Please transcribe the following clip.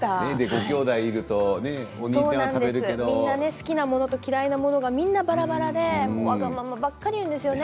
好きなものと嫌いなものがみんな、ばらばらでわがままばかり言うんです。